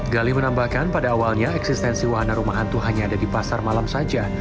gali menambahkan pada awalnya eksistensi wahana rumah hantu hanya ada di pasar malam saja